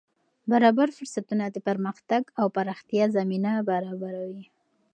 برابر فرصتونه د پرمختګ او پراختیا زمینه برابروي.